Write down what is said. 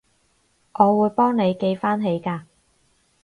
我會幫你記返起㗎